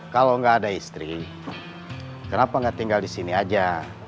kalau nggak ada istri kenapa nggak tinggal di sini aja